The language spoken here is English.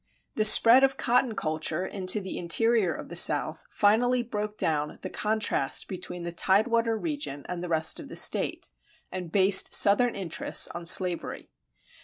[28:1] The spread of cotton culture into the interior of the South finally broke down the contrast between the "tide water" region and the rest of the State, and based Southern interests on slavery.